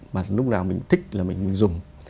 mà lúc nào mình thích là mình dùng